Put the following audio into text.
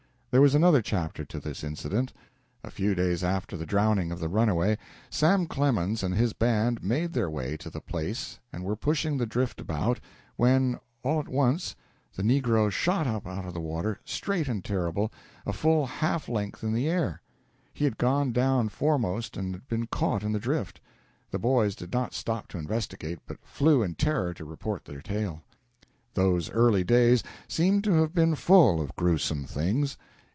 There was another chapter to this incident. A few days after the drowning of the runaway, Sam Clemens and his band made their way to the place and were pushing the drift about, when, all at once, the negro shot up out of the water, straight and terrible, a full half length in the air. He had gone down foremost and had been caught in the drift. The boys did not stop to investigate, but flew in terror to report their tale. Those early days seem to have been full of gruesome things.